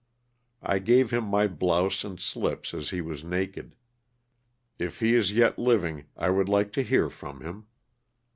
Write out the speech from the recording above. I gave him my blouse and slips as he was naked ; if he is yet living I would like to hear from him.